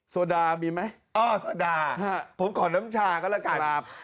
โซดามีไหมอ๋อโซดาผมขอน้ำชาก็แล้วกัน